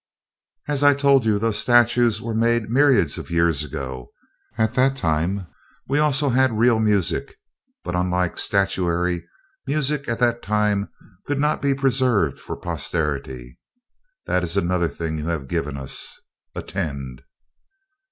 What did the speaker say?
"As I told you, those statues were made myriads of years ago. At that time we also had real music, but, unlike statuary, music at that time could not be preserved for posterity. That is another thing you have given us. Attend!"